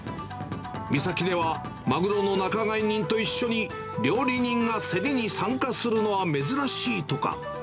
三崎では、マグロの仲買人と一緒に、料理人が競りに参加するのは珍しいとか。